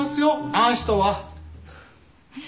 あの人は。